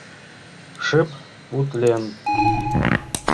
Шып утлен